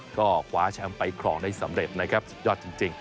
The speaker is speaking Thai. ก็คว้าแชมป์ไปครองได้สำเร็จนะครับสุดยอดจริง